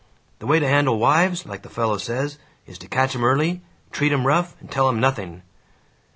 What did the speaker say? The way to handle wives, like the fellow says, is to catch 'em early, treat 'em rough, and tell 'em nothing!"